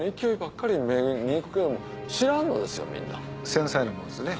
繊細なものですね。